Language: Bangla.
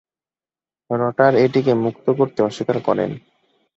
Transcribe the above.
রটার এটিকে মুক্ত করতে অস্বীকার করেন।